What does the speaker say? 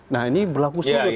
nah ini berlaku serut